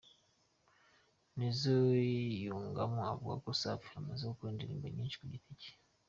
Nizzo yungamo avuga ko Safi amaze gukora indirimbo nyinshi ku giti cye.